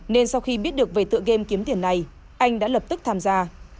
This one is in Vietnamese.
nên sau khi biết được về tựa game kiếm tiền này anh đã lập tức tham gia